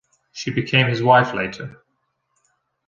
She became his wife later.